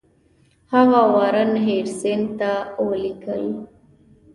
هغه وارن هیسټینګ ته ولیکل.